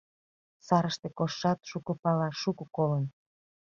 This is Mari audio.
— Сарыште коштшат шуко пала, шуко колын.